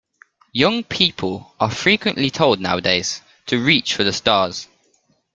Young people are frequently told nowadays to reach for the stars.